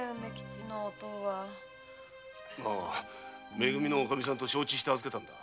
め組のおカミさんと承知して預けたんだ。